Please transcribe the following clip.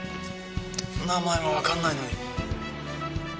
名前もわかんないのに。